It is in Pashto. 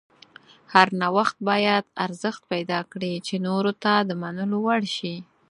هر نوښت باید ارزښت پیدا کړي چې نورو ته د منلو وړ شي.